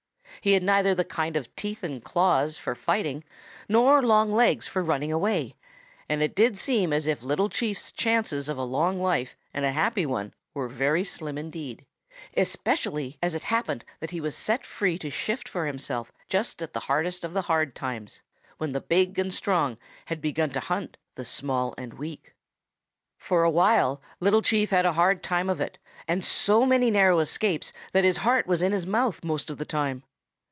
He had neither the kind of teeth and claws for fighting nor long legs for running away, and it did seem as if Little Chief's chances of a long life and a happy one were very slim indeed, especially as it happened that he was set free to shift for himself just at the beginning of the hard times, when the big and strong had begun to hunt the small and weak. "For a while Little Chief had a hard time of it and so many narrow escapes that his heart was in his mouth most of the time.